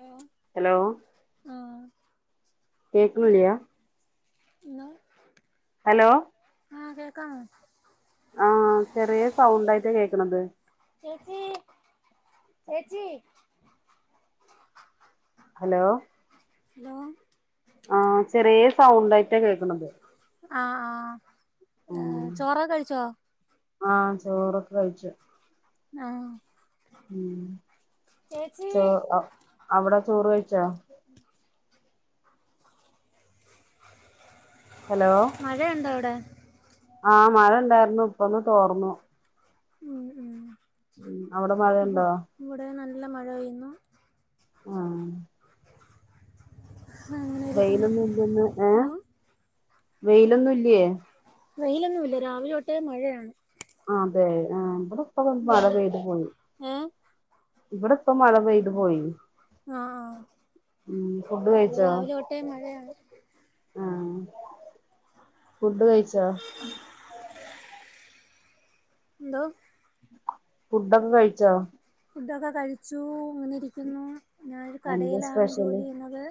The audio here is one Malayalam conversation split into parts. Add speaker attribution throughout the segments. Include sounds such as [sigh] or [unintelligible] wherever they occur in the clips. Speaker 1: ഹലോ
Speaker 2: ഹലോ
Speaker 1: ആഹ്
Speaker 2: കേക്കൂല്ല്യ
Speaker 1: അലോ
Speaker 2: ഹലോ
Speaker 1: ആ കേൾക്കാമോ
Speaker 2: ആ ചെറിയ സൗണ്ടായിട്ട കേക്ക്ണത്
Speaker 1: ചേച്ചീ
Speaker 2: ഹലോ
Speaker 1: ഹലോ
Speaker 2: ആ ചെറിയ സൗണ്ടായിട്ടാ കേക്ക്ണത്.
Speaker 1: ആ ആ ഏ ചോറൊക്കഴിച്ചോ
Speaker 2: ആ ചോറൊക്കെ കഴിച്ചു.
Speaker 1: ആ
Speaker 2: ഉ ചോ അവിടെ ചോറ് കഴിച്ചോ?
Speaker 1: മഴയുണ്ടോ അവിടെ
Speaker 2: ആ മഴണ്ടായിരുന്നു ഇപ്പൊന്ന് തോർന്നു.
Speaker 1: ഉം ഉം
Speaker 2: ഉം അവിടെ
Speaker 1: ഇവ്
Speaker 2: മഴണ്ടോ
Speaker 1: ഇവിടെ നല്ല മഴ പെയ്യുന്നു.
Speaker 2: ആ
Speaker 1: അങ്ങനെ ഇരിക്കുന്നു
Speaker 2: വെയിലൊന്നും ഇല്ലന്ന് ഏ
Speaker 1: ഹലോ
Speaker 2: വെയിലൊന്നും ഇല്ലേ
Speaker 1: വെയിലൊന്നുല്ല രാവിലെതൊട്ടേ മഴയാണ്.
Speaker 2: അതെ ആ ഇവടെപ്പരു
Speaker 1: ഉം
Speaker 2: മഴപെയ്തു പോയി.
Speaker 1: ഏഹ്
Speaker 2: ഇവിടെ ഇപ്പ മഴ പെയ്ത് പോയി.
Speaker 1: ആ
Speaker 2: ഉം ഫുഡ്
Speaker 1: ആ രാവിലെ തൊട്ടേ മഴയാണ്.
Speaker 2: ആ ഫുഡ്ഡ് കഴിച്ചോ?
Speaker 1: എന്തോ
Speaker 2: ഫുഡൊക്കെ കഴിച്ചോ
Speaker 1: ഫുഡൊക്കെ കഴിച്ചു ഇങ്ങനെ ഇരിക്കുന്നു, ഞാനൊരു
Speaker 2: എന്താ
Speaker 1: കടയിലാണ് ജോലി ചെയ്യുന്നത്.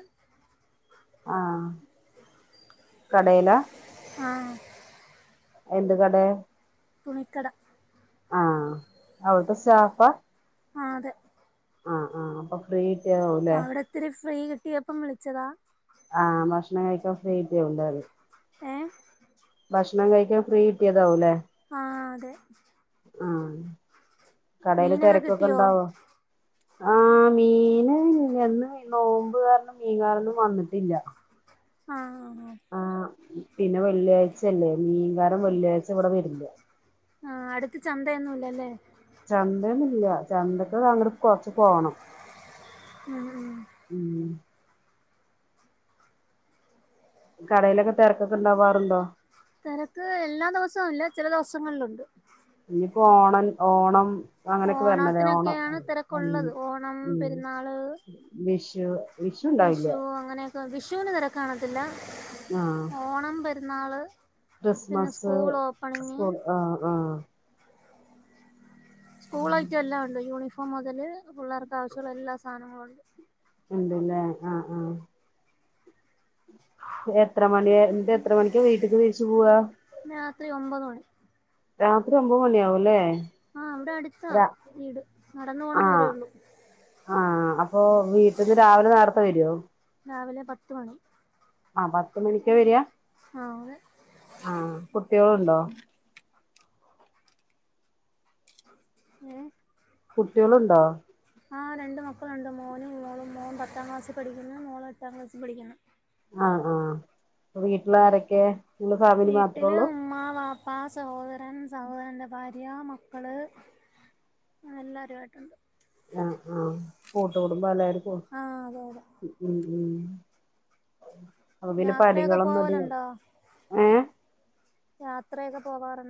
Speaker 2: ആഹ കടയില
Speaker 1: ആ
Speaker 2: എന്ത് കടേ
Speaker 1: തുണിക്കട
Speaker 2: ആഹ അവിടത്തെ സ്റ്റാഫ
Speaker 1: ആഹ അതെ
Speaker 2: ആ ആ അപ്പൊ ഫ്രീ
Speaker 1: അപ്പ
Speaker 2: കിട്ടിയതാവുംല്ലേ
Speaker 1: അവിടെത്തിരി ഫ്രീ കിട്ടിയപ്പം വിളിച്ചതാ
Speaker 2: ആഹ ഭക്ഷണം കഴിക്കാൻ ഫ്രീ [unintelligible] ണ്ടത്.
Speaker 1: ഏ
Speaker 2: ഭക്ഷണം കഴിക്കൻ ഫ്രീ കിട്ടിയതാവുംല്ലേ
Speaker 1: ആ അതെ.
Speaker 2: ആഹ കടയില്
Speaker 1: മീനൊക്കെ
Speaker 2: തിരക്കൊക്കെ
Speaker 1: കിട്ടിയോ
Speaker 2: ഇണ്ടാവോ ആഹ മീന് ഇന്ന് നോമ്പുകാരണം മീൻകാരന്നും വന്നിട്ടില്ല.
Speaker 1: ആ ആ ആ
Speaker 2: ആഹ് പിന്നെ വെള്ളിയാഴ്ചല്ലേ, മീൻകാരം വെള്ളിയാഴ്ച ഇവിടെ വരില്ല.
Speaker 1: ആ അടുത്ത് ചന്തയൊന്നുംല്ലല്ലേ
Speaker 2: ചന്തയൊന്നുല്ല, ചന്തക്കൊക്കെ അങ്ങോട്ട്‌ കൊറച്ചു പോണം.
Speaker 1: ഉം ഉം
Speaker 2: ഉം കടയിലൊക്കെ തിരക്കൊക്കെ ഉണ്ടാവാറുണ്ടോ
Speaker 1: തിരക്ക് എല്ലാ ദിവസവും ഇല്ല, ചില ദിവസങ്ങളിലുണ്ട്.
Speaker 2: ഇനിയിപ്പോ ഓണൻ ഓണം അങ്ങനെയൊക്കെ വരണല്ലേ ഓണം
Speaker 1: ഓണത്തിനൊക്കെയാണ് തിരക്കുള്ളത് ഓണം പെരുന്നാള്
Speaker 2: വിഷു വി
Speaker 1: വിഷു അങ്ങനെയൊക്കെ വിഷുവിന് തിര കാണത്തില്ല
Speaker 2: ആഹ
Speaker 1: നാള്
Speaker 2: ക്രിസ്മസ് ആഹ ആഹ
Speaker 1: സ്കൂളയിറ്റം എല്ലാം ഉണ്ട് യൂണിഫോം മുതല് പിള്ളേർക്ക് ആവശ്യമുള്ള എല്ലാ സാധനങ്ങളും ഉണ്ട്.
Speaker 2: ഉണ്ട്ല്ലേ ആഹ ആഹ എത്ര മണിന്റെ എത്ര മണിക്ക്‌ വീട്ടക്ക് തിരിച്ചു പോവാ
Speaker 1: രാത്രി ഒമ്പത് മണി
Speaker 2: രാത്രി ഒമ്പത് മണിയാകുംല്ലേ
Speaker 1: ആ ഇവിടെ അടുത്താ വീട് നടന്നു പോണ ദൂരേ
Speaker 2: ആഹ്
Speaker 1: ഉള്ളു
Speaker 2: ആഹ് അപ്പൊ വീട്ടിന്ന് രാവിലെ നേരത്തെ വരുവൊ
Speaker 1: രാവിലെ പത്ത് മണി
Speaker 2: ആ പത്തുമണിക്കാ വരിക
Speaker 1: ആഹ് അതെ
Speaker 2: ആഹ കുട്ടികളുണ്ടോ
Speaker 1: ഏ
Speaker 2: കുട്ടിളുണ്ടോ
Speaker 1: ആ രണ്ട് മക്കളുണ്ട് മോനും മോളും മോൻ പത്താം ക്ലാസ്സിൽ പഠിക്കുന്നു മോള് എട്ടാം ക്ലാസ്സിൽ പഠിക്കുന്നു
Speaker 2: ആഹ ആഹ അപ്പ വീട്ടിലാരൊക്കെ നിങ്ങള് ഫാമിലി മാത്രേ ഉള്ളൂ
Speaker 1: ഉപ്പാ സഹോദരൻ സഹോദരന്റെ ഭാര്യ മക്കള് അ എല്ലാരുവായിട്ടൊണ്ട്
Speaker 2: ആഹ് ആഹ് കൂട്ട് കൂടുമ്പാ എല്ലാരും കൂടും
Speaker 1: ആഹ് അതെ അതെ
Speaker 2: ഉം ഉം അപ്പൊ പിന്നെ
Speaker 1: യാത്രയൊക്കെ
Speaker 2: പണികളൊന്നും അധികം
Speaker 1: പോവലുണ്ടോ
Speaker 2: ഏ
Speaker 1: ത്രയൊക്കെ പോവാറ്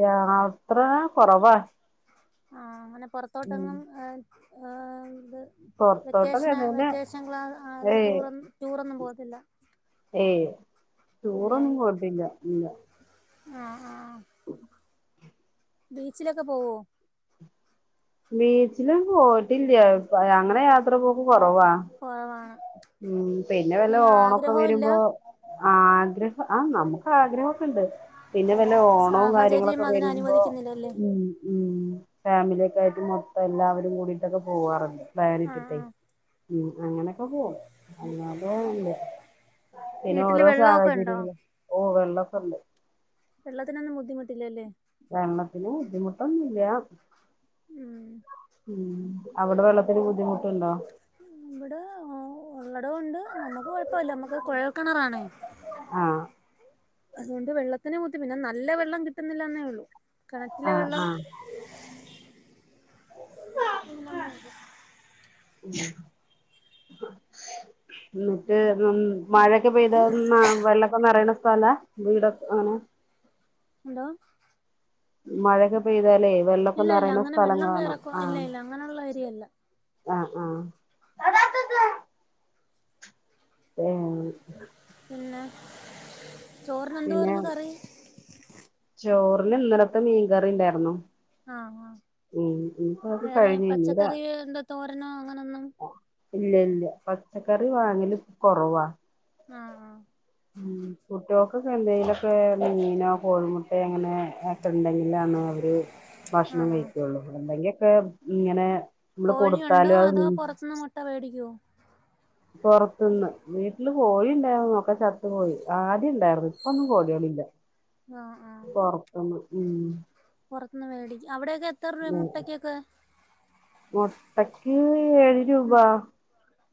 Speaker 2: യാത്ര കൊറവാ
Speaker 1: ആഹ് അങ്ങെനെ പൊറത്തോട്ട്
Speaker 2: ഉം
Speaker 1: ഒന്നും ഏഹ് ഏഹ് ഇത്
Speaker 2: പൊറത്തോട്ടൊക്കെ
Speaker 1: വെക്കെഷെന്
Speaker 2: തന്നെ
Speaker 1: വെക്കെഷെൻ ക്ലാ ആ അതെ
Speaker 2: ഏയ്
Speaker 1: ടൂർ ടൂറൊന്നും പോവത്തില്ല
Speaker 2: ഏയ് ടൂർ ഒന്നും പോവത്തില്ല ഇല്ല
Speaker 1: ആഹ് ആഹ്
Speaker 2: ഉം
Speaker 1: ബീച്ച്ലൊക്കെ പോവോ?
Speaker 2: ബീച്ച്ലും പോയിട്ട് ഇല്ല പ്പ അങ്ങെനെ യാത്ര പോക്ക് കൊ റവാ
Speaker 1: കൊറവാണ്
Speaker 2: ഉം പിന്നെ വല്ല
Speaker 1: അങ്ങനെ
Speaker 2: ഓണം ഒക്കെ
Speaker 1: ആഗ്രഹവും ഇല്ല
Speaker 2: വെരുമ്പോ ആഗ്രഹം ആ നമുക്ക് ആഗ്രഹൊക്കെ ഇണ്ട് പിന്നെ വല്ല ഓണവും
Speaker 1: സാഹചര്യം
Speaker 2: കാര്യങ്ങളൊക്കെ
Speaker 1: അതിന്
Speaker 2: വെരുമ്പോ
Speaker 1: അനുവദിക്കുന്നില്ലല്ലേ
Speaker 2: ഉം ഉം ഫാമിലി ഒക്കെ അതായത് മൊത്തം എല്ലാവെരും കൂടിയിട്ടൊക്കെ പോവാറുണ്ട് പ്ലാൻ
Speaker 1: ആഹ്
Speaker 2: ഇട്ടിട്ടെയ്
Speaker 1: ആഹ്
Speaker 2: ഉം അങ്ങനെയൊക്കെ പോവും അല്ലാതെ ഇല്ല പിന്നെ
Speaker 1: വീട്ടില്
Speaker 2: ഓരോ
Speaker 1: വെള്ളമൊക്കെ ഉണ്ടോ
Speaker 2: സാഹചര്യങ്ങെൾ ഓ വെള്ളൊക്കെ ഇണ്ട്
Speaker 1: വെള്ളത്തിനൊന്നും ബുദ്ധിമുട്ട് ഇല്ല അല്ലെ
Speaker 2: ല്ലാ
Speaker 1: ഉം
Speaker 2: ഉം അവ്ടെ വെള്ളത്തിന് ബുദ്ധിമുട്ട് ഇണ്ടോ
Speaker 1: ഇവ്ടെ ആവു ഉള്ളെടം ഉണ്ട് നമുക്ക് കൊഴ് പ്പയില്ല നമ്മെക്ക് കുഴെൽ കെണറാണേ
Speaker 2: ആഹ്
Speaker 1: അതുകൊണ്ട് വെള്ളത്തിന് ബുദ്ധി പിന്നെ നല്ല വെള്ളം കിട്ടുന്നില്ലാന്നെ ഒള്ളു കെണറ്റിലെ
Speaker 2: ആഹ്
Speaker 1: വെള്ളം
Speaker 2: ആഹ്
Speaker 1: [unintelligible]
Speaker 2: ഇന്നെട്ട് ഉം മഴയൊക്കെ പെയ്താ ന്നാ വെള്ളൊക്കെ നെറയ്ണ സ്ഥലാ വീടൊക്കെ അങ്ങെനെ
Speaker 1: എന്തോ -
Speaker 2: മഴയൊക്കെ പെയ്താലേ വെള്ളൊക്കെ
Speaker 1: ഇല്ല
Speaker 2: നിറയണ
Speaker 1: അങ്ങനെ വെള്ളം
Speaker 2: സ്ഥലങ്ങളാണോ
Speaker 1: കയറക്കോ ഇല്ല
Speaker 2: ആഹ്‌
Speaker 1: ഇല്ല അങ്ങനെയുള്ള ഏരിയല്ല
Speaker 2: ആഹ്‌ ആഹ്‌ [unintelligible] [inaudible]
Speaker 1: പിന്നെ ചോറിന്
Speaker 2: പിന്നെ
Speaker 1: എന്തുവായിരുന്നു കറി
Speaker 2: ഇന്ന് ഇന്നലത്തെ മീൻകറിയുണ്ടായിരുന്നു.
Speaker 1: ആ ആ
Speaker 2: അത്
Speaker 1: വേറെ
Speaker 2: കഴിഞ്ഞു ഇനി ഇല്ല
Speaker 1: പച്ചക്കറിയോ എന്തോ തോരനോ അങ്ങനൊന്നും
Speaker 2: ഇല്ല ഇല്ല പച്ചക്കറി വാങ്ങലെ ഇപ്പം കുറവാ-
Speaker 1: ആഹ്‌ ആഹ്‌
Speaker 2: കുട്ടികോക്കെ എന്തെിലൊക്കെ മീനോ കോഴിമുട്ടയൊ അങ്ങനെ ഒക്കെ ഉണ്ടെങ്കില അവരെ ഭക്ഷണം
Speaker 1: ആഹ്
Speaker 2: കഴിക്കുള്ളൂ ഉണ്ടാക്കിപ്പോ ഇങ്ങനെ- നമ്മള്
Speaker 1: കോഴിയുണ്ടോ
Speaker 2: കൊടുത്താലും അത്
Speaker 1: അതോ പൊറത്തുന്നെ മുട്ട മേടിക്കോ
Speaker 2: പൊറത്തുന്ന് വീട്ടില് കോഴി ഉണ്ടായിരുന്നുഒക്കെ ചത്തുപോയി ആദ്യം ഉണ്ടായിരുന്നു ഇപ്പൊന്നും കോഴികളികളില്ല.
Speaker 1: ആഹ്
Speaker 2: ഉം
Speaker 1: പോർതിന്ന് വേടിക്കും
Speaker 2: മുട്ടക്ക് ഏഴ് രൂപ
Speaker 1: ഉം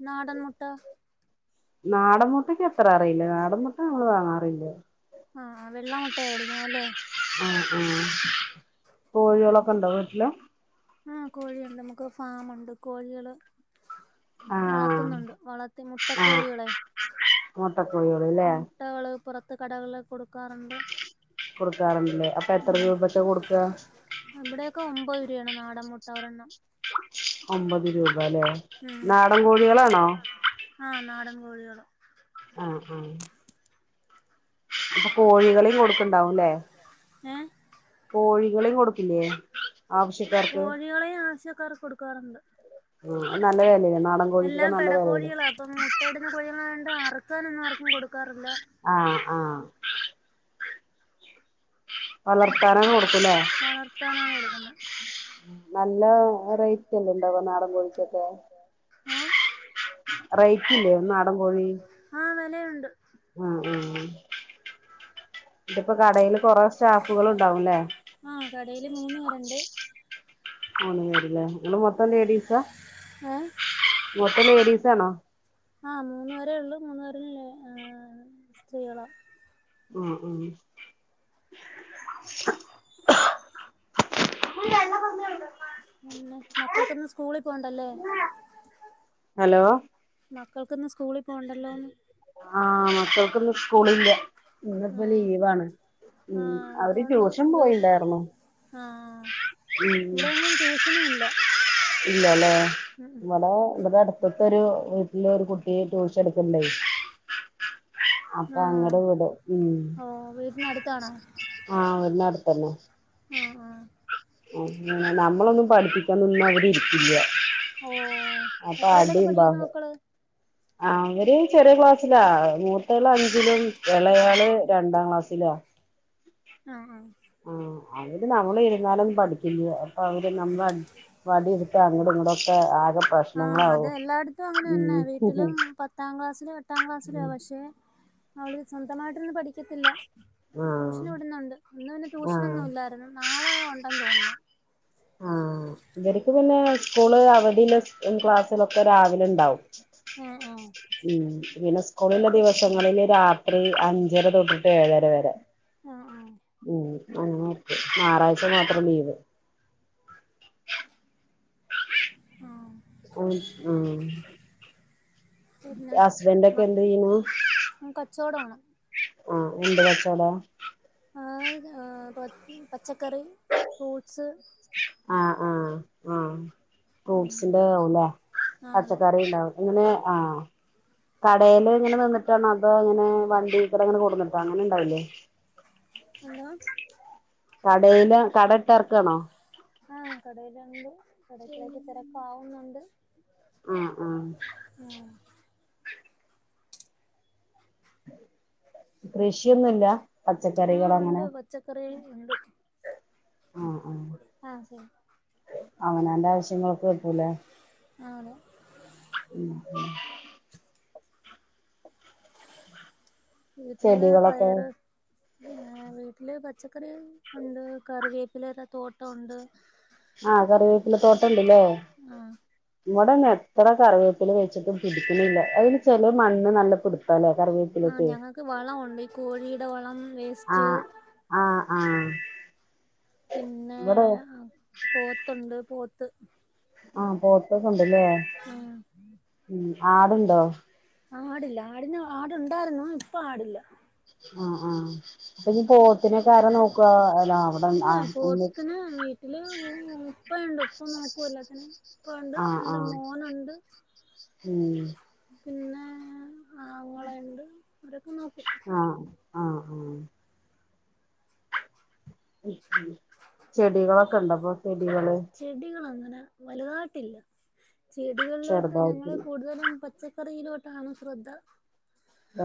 Speaker 1: നാടൻ മുട്ട
Speaker 2: നാടൻ മുട്ടക്ക് എത്ര അറിയില്ല നാടൻ മുട്ട നമ്മള് വാങ്ങാറില്ല
Speaker 1: ആഹ വെള്ളാ മുട്ട യാ മേടിക്കുന്ന അ ല്ലേ
Speaker 2: ഉ ഉ കോഴികളൊക്കെ ഇണ്ടോ വീട്ടില്
Speaker 1: ആ കോഴിയുണ്ട് നമുക്ക് ഫാമുണ്ട് കോഴികള്
Speaker 2: ആ
Speaker 1: വളർത്തുന്നുണ്ട് വളർത്തി
Speaker 2: ആ
Speaker 1: മുട്ടക്കോഴികളെ
Speaker 2: മുട്ടക്കോഴികള് ല്ലേ
Speaker 1: മുട്ടകള് പുറത്ത് കടകള്
Speaker 2: കൊടുക്കാറുണ്ടല്ലേ അപ്പൊ എത്ര രൂപക്കെ കൊടുക്ക
Speaker 1: ചെയ്യാണ് നാടൻ മുട്ടവരെണ്ണം
Speaker 2: ഒമ്പത് രൂപ അല്ലേ നാടൻ കോഴി കളാണോ
Speaker 1: കോഴികൾ
Speaker 2: ആ ആ അപ്പൊ കോഴികളും കൊടുക്കണ്ടാവുംല്ലേ
Speaker 1: ഏ
Speaker 2: കോഴികളും കൊടുക്കില്ലേ ആവശ്യക്കാർക്ക്
Speaker 1: ആൾക്കാർക്ക് കൊടുക്കാറുണ്ട്
Speaker 2: ഉം നല്ലതല്ലേ
Speaker 1: എല്ലാം പിട കോഴികളാ അപ്പം മുട്ടയിടുന്ന കോഴികളണ്ട് അറുക്കാനൊ ന്നും ആർക്കും കൊടുക്കാറില്ല
Speaker 2: ആആ വളർത്താനാണ് കൊടുക്കൂല്ലേ
Speaker 1: വളർത്താനാണ് കൊടുക്കുന്നത്
Speaker 2: നല്ല റേറ്റല്ലെ ണ്ടാവ നാടൻ കോഴിക്കൊക്കെ
Speaker 1: ഓ
Speaker 2: റൈറ്റില്ലേ ഒന്ന്നാടൻ കോഴി
Speaker 1: ആ വെലയുണ്ട്
Speaker 2: ഉം ഉ ഇപ്പൊ കടല് കൊറ സ്റ്റാഫുകളുണ്ടാവുംല്ലേ
Speaker 1: കടയിയില് മൂന്ന് വരുണ്ട്
Speaker 2: മൂന്ന് പേരില്ലേ നിങ്ങൾ മൊത്തം ലേഡീസാ
Speaker 1: ഓ
Speaker 2: ലേഡീസ് ആണോ
Speaker 1: ആമൂന്ന് പേരേ ഉള്ളൂ മൂന്നു പേരെ്യളാം
Speaker 2: ഉ ഉ
Speaker 1: പിന്നെ മക്കൾക്കൊന്ന് സ്കൂളിൽ പോണ്ടല്ലേ
Speaker 2: ഹലോ
Speaker 1: മക്കൾക്കിന്ന് സ്കൂളിൽ പോണ്ടല്ലോന്ന്
Speaker 2: ആ മക്കൾക്ക് ഇന്ന് സ് സ്കൂളി ല്ല ഇന്നിപ്പോ
Speaker 1: ആ
Speaker 2: ലീവാണ് ഉം അവര് ട്യൂഷൻ പോയിണ്ടായിരുന്നു
Speaker 1: [unintelligible] ഇവിടെയെങ്ങും ട്യൂഷനും ഇല്ല
Speaker 2: ഇല്ലാല്ലേ ഇവടെ ഇവടെ അടുതൊക്കൊരു ഇള്ളൊരു കുട്ടി ട്യൂഷൻ എടുക്ക്ണ്ടായി അപ്പൊ
Speaker 1: ആഹ്
Speaker 2: അങ്കട്‌ വിടും ഉം
Speaker 1: ഓ വീട്ടിനടുത്താണോ
Speaker 2: ആ നടത്തന്നെ
Speaker 1: ആ ആ
Speaker 2: ആ നമ്മളൊന്നും പഠിപ്പിക്കാൻ നിന്നാ അവര് ഇരിക്കില്ല
Speaker 1: ഓ എത്രേലൊക്കെ പഠിക്കുന്നു മക്കള്
Speaker 2: ആ അവര് ചെറിയ ക്ലാസ്സിലാ മൂത്താള് അഞ്ചിലും ഇളയാള് രണ്ടാം ക്ലാസ് സിലാ
Speaker 1: ആ ആ
Speaker 2: ആ അത് പിന്നെ നമ്മള് ഇരുന്നാലൊന്നും പഠിക്കില്ല [unintelligible] നമ്മ വടി എടുത്തഅങ്കടും ഇങ്കടൊക്കെ ആ
Speaker 1: ആഹ് അത് എല്ലായിടത്തും അങ്ങനെ തന്നെ വീട്ടിലും
Speaker 2: ഉം
Speaker 1: പത്താം ക്ലാസ്സിലും എട്ടാം ക്ലാസിലാ പക്ഷെ അവള് സ്വന്തമായിട്ടൊന്നും പഠിക്കത്തില്ല
Speaker 2: ആഹ്
Speaker 1: ട്യൂഷന് വിടുന്നുണ്ട് ഇന്ന് പിന്നെ
Speaker 2: ആഹ്
Speaker 1: ട്യൂഷനൊന്നും ഇല്ലായിരുന്നു നാളെ ഒണ്ടെന്നു തോന്നുന്നു
Speaker 2: സ്കൂളെ അവധിയുള്ള സം ക്ലാസ്സിലൊക്കെ രാവിലെ ഇണ്ടാവും
Speaker 1: ആഹ് ആഹ്
Speaker 2: ഉം പിന്നെ സ്കൂളുള്ള ദിവസങ്ങളിലെ രാത്രി അഞ്ചര തൊട്ടിട്ട് ഏഴര വരെ
Speaker 1: ആഹ്
Speaker 2: ഉം അങ്ങനൊക്കെ ഞായറാഴ്ച മാത്രം ലീവ്
Speaker 1: ആഹ് ആഹ്
Speaker 2: ഉംഉം
Speaker 1: പിന്നെ
Speaker 2: ഹസ്ബൻഡ് ഒക്കെ എന്ത് ചെയിണു
Speaker 1: ച്ചോടാണ്‌
Speaker 2: ആ എന്ത്‌ കച്ചോടാ
Speaker 1: ആ ആഹ്‌ പച്ചക്കറി ഫ്രൂട്സ്
Speaker 2: ആഹ് ആഹ് ആഹ്
Speaker 1: ഉം
Speaker 2: ഫ്രൂട്ട്സിന്റെ താവുംല്ലേ
Speaker 1: ആ അതെ
Speaker 2: പച്ചക്കറി ഇണ്ടാവും. ഇങ്ങനെ ആഹ് കടേല് ഇങ്ങനെ നിന്നിട്ടാണോ അതോ അങ്ങനെ വണ്ടികൊടെ ഇങ്ങനെ കൊട്ന്നിട്ടാ അങ്ങനെ ഇണ്ടാവില്ലേ.
Speaker 1: ഹല്ലോ
Speaker 2: കടേലാ കട ഇട്ട് ഇറക്കാണോ
Speaker 1: ആഹ് കടേയ്ല്ണ്ട്. കടേ [unintelligible] തെരക്കാവുന്നുണ്ട്.
Speaker 2: ആഹ് ആഹ് കൃഷിയൊന്നുല്ല. പച്ചക്കറികൾ
Speaker 1: ആഹ്
Speaker 2: അങ്ങനെ
Speaker 1: ഉണ്ട് പച്ചക്കറി ഉണ്ട്.
Speaker 2: ആഹ് ആഹ്
Speaker 1: ആ ശരി
Speaker 2: അവനാന്റെ ആവശ്യങ്ങൾക്ക് കിട്ടുലെ.
Speaker 1: ആണ്
Speaker 2: ഉം ഉം
Speaker 1: വീട്ടില്
Speaker 2: ചെടികളൊക്കെ
Speaker 1: പയറ് ഏഹ് വീട്ടില് പച് ച്ചക്കറികൾ ണ്ട് കറിവേപ്പിലെടെ തോട്ട ഉണ്ട്.
Speaker 2: ആഹ് കറിവേപ്പില തോട്ടം ണ്ട്ലേ
Speaker 1: ആ
Speaker 2: ഇവടൊന്നും എത്ര കറിവേപ്പില വെച്ചിട്ടും പിടിക്ണില്ല അയ്ന് ചെല മണ്ണ് നല്ല പിട്
Speaker 1: ആഹ് ഞങ്ങക്ക് വളംഒണ്ട് ഈ കോഴിടെ വളം വേസ്റ്റ്
Speaker 2: ആഹ് ആഹ് ആഹ്
Speaker 1: പിന്നെ
Speaker 2: ഇവിടെ
Speaker 1: പോത്തുണ്ട് പോത്ത്
Speaker 2: ആഹ് പോത്തൊക്കെ ഉണ്ട് ലേ.
Speaker 1: ആ
Speaker 2: ഉം ആട്ണ്ടോ?
Speaker 1: ആടില്ല ആടിന് ആട്ണ്ടായിരുന്നു ഇപ്പ ആടില്ല.
Speaker 2: ആഹ് ആഹ് അപ്പ ഈ പോത്തിനൊക്കെ ആരാ നോക്കാ അല്ല അവിടെ
Speaker 1: ഇല്ല
Speaker 2: ആ ഒന്ന്
Speaker 1: ഇപ്പയുണ്ട് ഇപ്പ നോക്കും എല്ലാത്തിനേം. പ്പ ഇണ്ട്
Speaker 2: ആഹ്
Speaker 1: ഇന്റെ
Speaker 2: ആഹ്
Speaker 1: മോന്ണ്ട്
Speaker 2: ഉം
Speaker 1: പിന്നെ ആങ്ങളയ്ണ്ട് ഇവരൊക്കെ നോക്കും
Speaker 2: ആഹ് ആഹ് [unintelligible] ചെടികളോക്കെണ്ടപ്പം?
Speaker 1: ചെടികളങ്ങനെ വല്തായിട്ടില്ല. ചെടികൾലോട്ട്
Speaker 2: ചെറുതായിട്ട്
Speaker 1: ഞങ്ങള് കൂട്തലും പച്ചക്കറിയിലോട്ടാണ് ശ്രദ്ധ.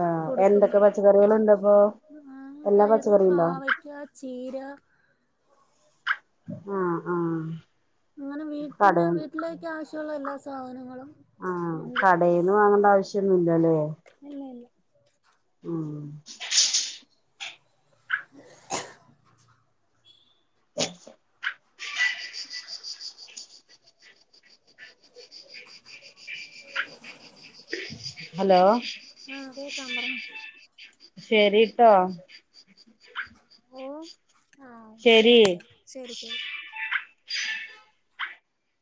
Speaker 2: ആഹ് എന്തൊക്കെ പച്ചക്കറികള് ണ്ട്പ്പോ?
Speaker 1: ആഹ് പയറ്, പാവെക്ക, ചീര
Speaker 2: ആഹ് ആഹ്
Speaker 1: അങ്ങനെ
Speaker 2: കട
Speaker 1: വീട്ട്ന്ന് വീട്ട്ലേക്ക് ആവശ്യള്ള എല്ലാ സാധനങ്ങളും
Speaker 2: ആഹ്
Speaker 1: ഉണ്ട്
Speaker 2: കടേന്ന് വാങ്ങണ്ട ആവശ്യന്നുല്ലല്ലേ
Speaker 1: ഇല്ല ഇല്ല
Speaker 2: ഉം ഹലോ
Speaker 1: ആഹ് കേക്കാം പർഞ്ഞേ
Speaker 2: ശരിട്ടാ
Speaker 1: ആ ശരി ശരി ശരി ശരി